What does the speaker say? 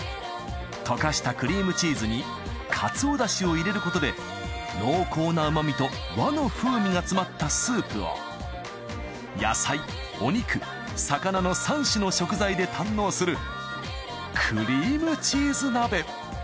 溶かしたクリームチーズにかつおだしを入れることで濃厚な旨味と和の風味が詰まったスープを野菜お肉魚の３種の食材で堪能するクリームチーズ鍋。